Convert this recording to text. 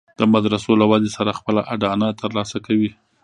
د مدرسو له ودې سره خپله اډانه تر لاسه کوي.